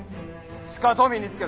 しかと身につけろ。